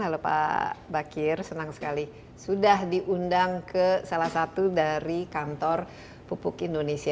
halo pak bakir senang sekali sudah diundang ke salah satu dari kantor pupuk indonesia